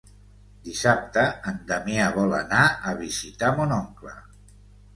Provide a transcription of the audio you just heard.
Dissabte en Damià vol anar a visitar mon oncle.